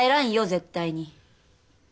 絶対に！